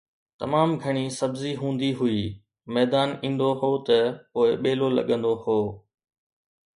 تمام گهڻي سبزي هوندي هئي، ميدان ايندو هو ته پوءِ ٻيلو لڳندو هو